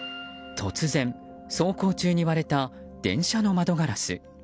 突然、走行中に割れた電車の窓ガラス。